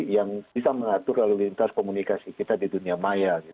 yang bisa mengatur lalu lintas komunikasi kita di dunia maya